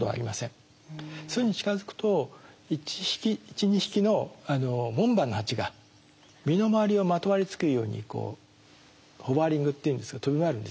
巣に近づくと１２匹の門番のハチが身の回りをまとわりつくようにこうホバリングっていうんですが飛び回るんですよ。